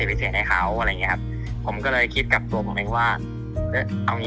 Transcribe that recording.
มีอะไรต้องทำลาย